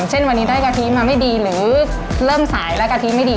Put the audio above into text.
เช่นวันนี้ได้กะทิมาไม่ดีหรือเริ่มสายและกะทิไม่ดี